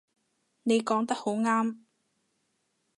你講得好啱